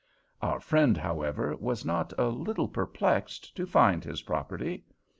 Our friend, however, was not a little perplexed to find his property.